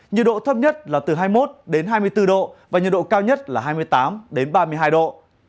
nhiệt độ thấp nhất là từ hai mươi một hai mươi bốn độ và nhiệt độ cao nhất là hai mươi tám ba mươi hai độ